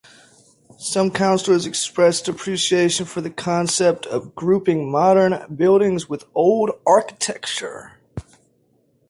Some councilors expressed appreciation for the concept of grouping modern buildings with old architecture.